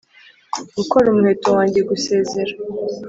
gukora umuheto wanjye, gusezera. ..